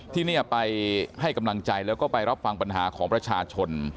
ที่นี่ไปให้กำลังใจแล้วก็ไปรับฟังปัญหาของประชาชน